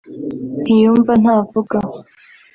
ntiyumva ntavuga